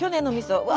うわ！